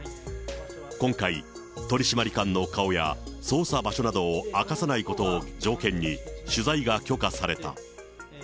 今回、取締官の顔や捜査場所などを明かさないことを条件に、取材が許可された。